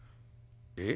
「えっ？」。